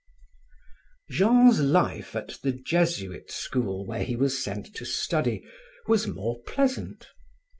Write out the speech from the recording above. Jean's life at the Jesuit school, where he was sent to study, was more pleasant.